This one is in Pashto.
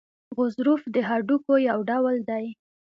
غضروف د هډوکو یو ډول دی.